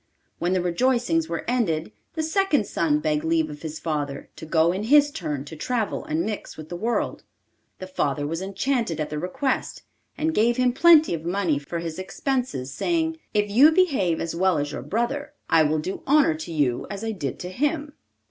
When the rejoicings were ended, the second son begged leave of his father to go in his turn to travel and mix with the world. The father was enchanted at the request, and gave him plenty of money for his expenses, saying, 'If you behave as well as your brother, I will do honour to you as I did to him.